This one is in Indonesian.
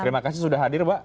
terima kasih sudah hadir pak